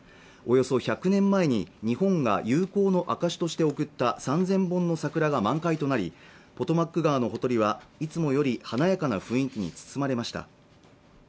およそ１００年前に日本が友好の証として贈った３０００本の桜が満開となりポトマック川のほとりはいつもより華やかな雰囲気に包まれました